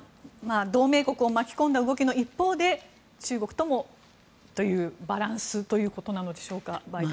同盟国を巻き込んだ動きの一方で中国とのバランスということなのでしょうか。